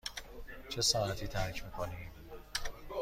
چه ساعتی ترک می کنیم؟